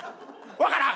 わからん！